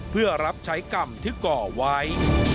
เพื่อรับใช้กรรมที่ก่อไว้